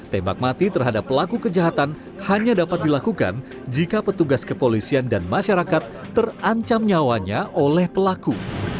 tembak mati terhadap pelaku kejahatan hanya dapat dilakukan jika petugas kepolisian dan masyarakat terancam nyawanya oleh pelaku